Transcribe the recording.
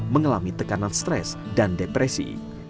mengalami tekanan stres dan depresi